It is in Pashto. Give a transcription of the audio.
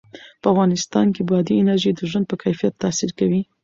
په افغانستان کې بادي انرژي د ژوند په کیفیت تاثیر کوي.